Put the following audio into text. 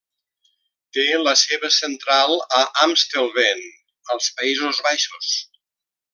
Té la seva central a Amstelveen, als Països Baixos.